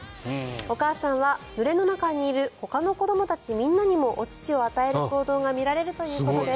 お母さんは群れの中にいるほかの子どもたちみんなにもお乳を与える行動が見られるということです。